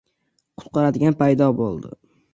Qutqaradigan paydo bo‘ldi.